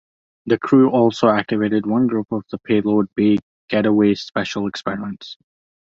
The crew also activated one group of the payload bay Getaway Special experiments.